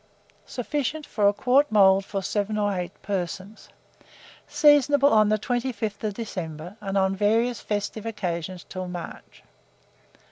Sufficient for a quart mould for 7 or 8 persons. Seasonable on the 25th of December, and on various festive occasions till March.